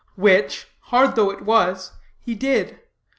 Which, hard though it was, he did.